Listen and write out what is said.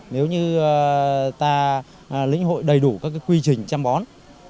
nếu như ta lĩnh hội đầy đủ các quy trình chăm bón